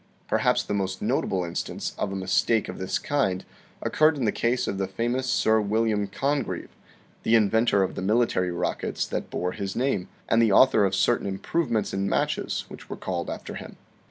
Perhaps the most notable instance of a mistake of this kind occurred in the case of the famous Sir William Congreve, the inventor of the military rockets that bore his name, and the author of certain improvements in matches which were called after him.